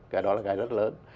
cái đó là cái rất lớn